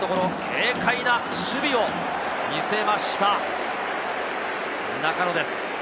軽快な守備を見せました、中野です。